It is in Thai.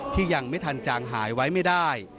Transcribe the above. ยังไม่ทันจางหายไว้ไม่ได้